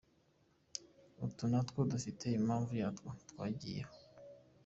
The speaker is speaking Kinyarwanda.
Utu natwo dufite impamvu yatwo twagiyeho.